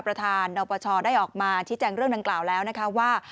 ประธานนปชได้ออกมาชี้แจงเรื่องดังกล่าวแล้วนะคะว่า